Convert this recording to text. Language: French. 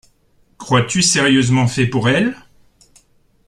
crois-tu sérieusement fait pour elle?